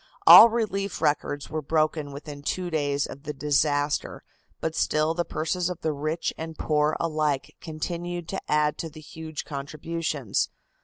All relief records were broken within two days of the disaster, but still the purses of the rich and poor alike continued to add to the huge contributions.